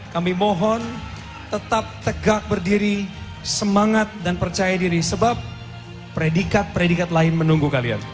kami mohon tetap tegak berdiri semangat dan percaya diri sebab predikat predikat lain menunggu kalian